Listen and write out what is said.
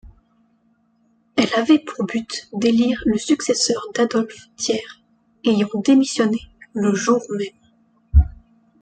Elle avait pour but d'élire le successeur d'Adolphe Thiers, ayant démissionné le jour-même.